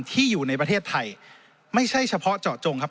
ที่อยู่ในประเทศไทยไม่ใช่เฉพาะเจาะจงครับ